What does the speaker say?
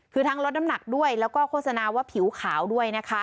คือทั้งลดน้ำหนักด้วยแล้วก็โฆษณาว่าผิวขาวด้วยนะคะ